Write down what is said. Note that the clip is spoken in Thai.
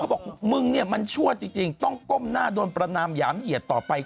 บอกมึงเนี่ยมันชั่วจริงต้องก้มหน้าโดนประนามหยามเหยียดต่อไป